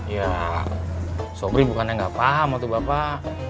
ya sobri bukannya gak paham waktu bapak